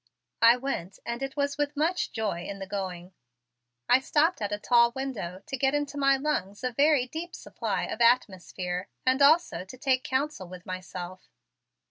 I went and it was with much joy in the going. I stopped at a tall window to get into my lungs a very deep supply of atmosphere and also to take counsel with myself.